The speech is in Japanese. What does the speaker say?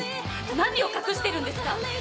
何を隠しているんですか？